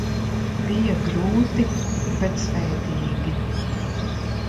Bija grūti, bet svētīgi.